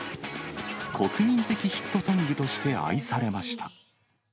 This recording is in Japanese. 国民的ヒットソングとして愛されました。